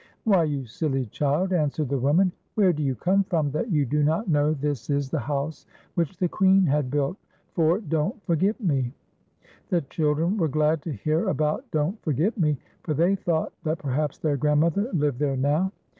" Why, you silly child," answered the woman, " where do \'ou come from that you do not know this is the house which the Queen had built for Don't Forget Me?" The children were glad to hear about Don't Forget Me, for they thought that perhaps their grandmother lived there now.